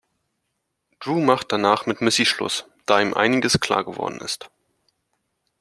Drew macht danach mit Missy Schluss, da ihm einiges klar geworden ist.